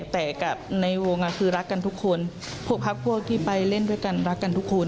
แต่กับในวงคือรักกันทุกคนพวกพักพวกที่ไปเล่นด้วยกันรักกันทุกคน